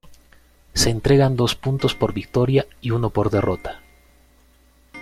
Se entregan dos puntos por victoria y uno por derrota.